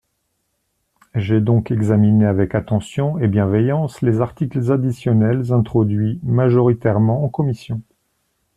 J’ai donc examiné avec attention et bienveillance les articles additionnels introduits majoritairement en commission.